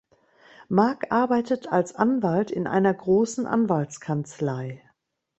Mark arbeitet als Anwalt in einer großen Anwaltskanzlei.